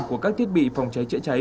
của các thiết bị phòng cháy dưới cháy